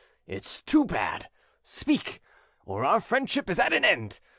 It's too bad: speak, or our friendship is at an end!